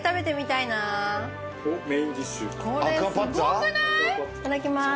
いただきます。